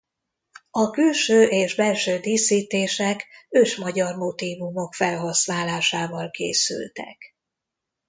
A külső és belső díszítések ősmagyar motívumok felhasználásával készültek.